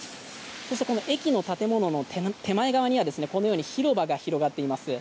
そしてこの駅の建物の手前側には広場が広がっています。